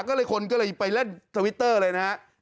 ก็เลยคนก็เลยไปเล่นทวิตเตอร์เลยนะครับ